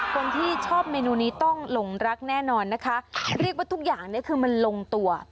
คนที่ชอบเมนูนี้ต้องหลงรักแน่นอนนะคะเรียกว่าทุกอย่างเนี่ยคือมันลงตัว